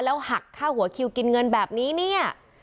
หักค่าหัวคิวกินเงินแบบนี้เนี่ย